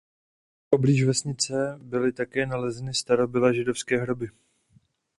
Poblíž vesnice byly také nalezeny starobylé židovské hroby.